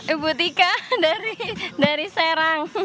ibu tika dari serang